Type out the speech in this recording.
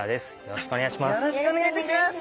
よろしくお願いします。